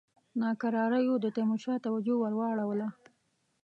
ناکراریو د تیمورشاه توجه ور واړوله.